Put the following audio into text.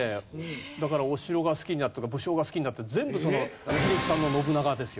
だからお城が好きになったとか武将が好きになったり全部その英樹さんの信長ですよ。